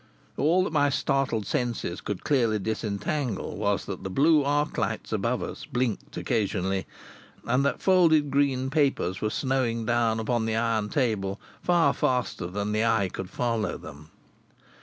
All that my startled senses could clearly disentangle was that the blue arc lights above us blinked occasionally, and that folded green papers were snowing down upon the iron table far faster than the eye could follow them.